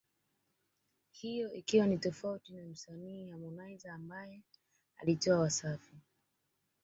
hiyo ikiwa ni tofauti na msanii Harmonize ambaye alijitoa Wasafi